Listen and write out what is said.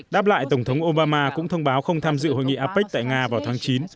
đáp lại tổng thống obama cũng thông báo không tham dự hội nghị apec tại nga vào tháng chín